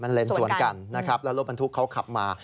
เลนสวนกันนะครับแล้วรถบรรทุกเขาขับมา